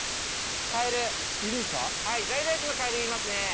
カエル在来種のカエルいますね。